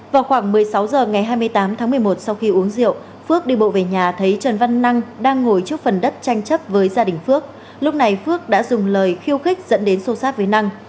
vào khoảng một mươi sáu h ngày hai mươi tám tháng một mươi một sau khi uống rượu phước đi bộ về nhà thấy trần văn năng đang ngồi trước phần đất tranh chấp với gia đình phước lúc này phước đã dùng lời khiêu khích dẫn đến xô sát với năng